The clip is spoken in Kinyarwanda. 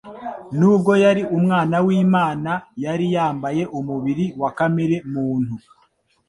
Nubwo yari Umwana w'Imana yari yambaye umubiri wa kamere muntu,